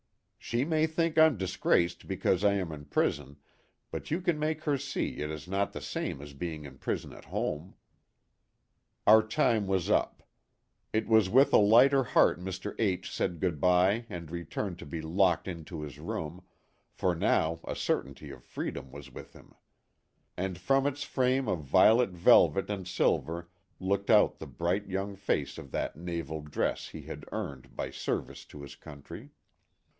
" She may think I'm disgraced because I am in prison, but you can make her see it is not the same as being in prison at home." Our time was up. It was with a lighter heart Mr. H said good by and returned to be locked into his room, for now a certainty of free dom was with him ; and from its frame of violet velvet and silver looked out the bright young face in that naval dress he had earned by service to his country.